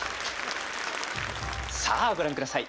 さあご覧下さい。